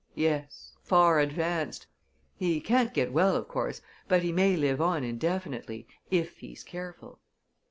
"Yes far advanced. He can't get well, of course, but he may live on indefinitely, if he's careful."